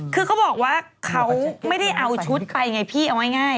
คือเขาบอกว่าเขาไม่ได้เอาชุดไปไงพี่เอาง่าย